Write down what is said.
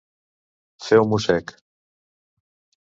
Fer un mossec.